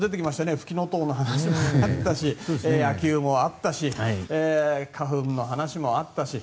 フキノトウの話もあったし野球もあったし花粉の話もあったし。